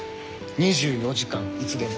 ２４時間いつでも。